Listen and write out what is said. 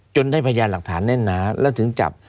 จนให้ผัญญาณหลักฐานแน่นหนาแล้วถึงจับ